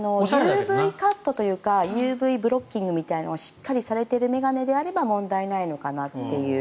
ＵＶカットというかＵＶブロッキングというのをしっかりされている眼鏡であれば問題ないかなという。